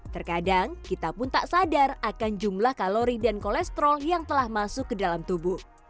terkadang kita pun tak sadar akan jumlah kalori dan kolesterol yang telah masuk ke dalam tubuh